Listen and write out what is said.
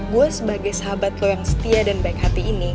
gue sebagai sahabat lo yang setia dan baik hati ini